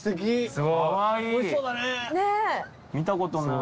見たことない。